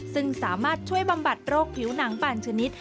ซึ่งสามารถช่วยบำบัดโรคผิวหนังบางชนิด